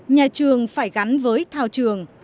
nhà trường phải gắn với thao trường